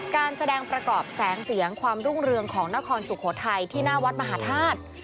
การแสดงประกอบแสงเสียงความรุ่งเรืองของนครสุโขทัยที่หน้าวัดมหาธาตุ